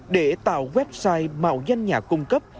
để tạo website mạo danh nhà cung cấp